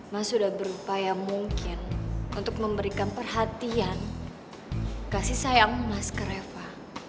mas sudah berupaya mungkin untuk memberikan perhatian kasih sayang mas ke reva